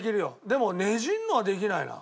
でもねじるのはできないな。